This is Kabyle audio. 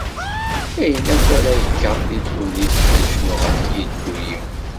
Ayen akk ara kkeɣ di ddunit, ad cnuɣ ɣef Yillu-iw.